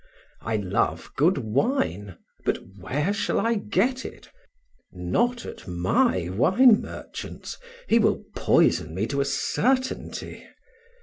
I love good wine, but where shall I get it? Not at my wine merchant's he will poison me to a certainty.